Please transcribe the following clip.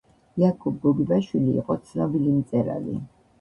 იაკობ გოგებაშვილი იყო ცნობილი მწერალი